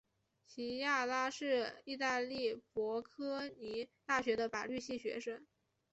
琪亚拉是意大利博科尼大学的法律系学生。